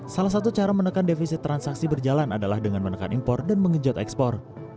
salah satu cara menekan defisit transaksi berjalan adalah dengan menekan impor dan mengejot ekspor